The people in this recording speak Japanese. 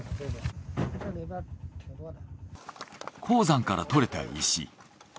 鉱山から採れた石。